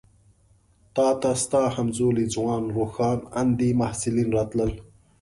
تا ته ستا همزولي ځوانان روښان اندي محصلین راتلل.